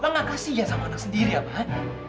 bapak nggak kasihan sama anak sendiri ya pak